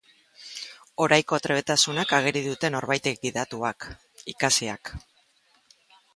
Oraiko trebetasunak ageri dute norbaitek gidatuak, ikasiak.